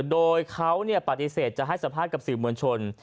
โดยเขาปฏิเสธจะให้สัมภาษณ์กับสื่อมวลชน